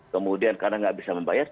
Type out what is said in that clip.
kemudian karena nggak bisa membayar